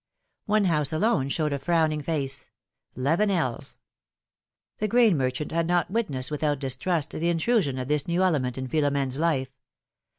One house alone showed a frowning face — LavenePs. The grain merchant had not witnessed without distrust the intrusion of this new element in Philom^ne's life.